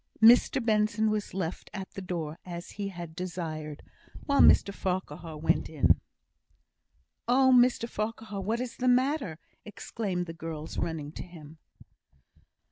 Mr Benson was left at the door as he had desired, while Mr Farquhar went in. "Oh, Mr Farquhar, what is the matter?" exclaimed the girls, running to him.